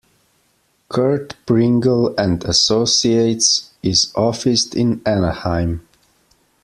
Curt Pringle and Associates is officed in Anaheim.